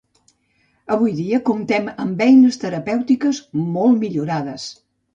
Avui dia comptem amb eines terapèutiques molt millorades.